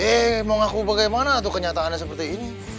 eh mau ngaku bagaimana tuh kenyataannya seperti ini